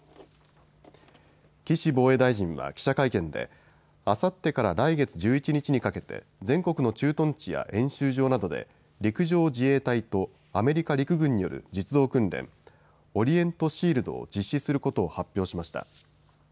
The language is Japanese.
岸防衛大臣は記者会見であさってから来月１１日にかけて全国の駐屯地や演習場などで陸上自衛隊とアメリカ陸軍による実動訓練、オリエント・シールドを実施することを発表しました。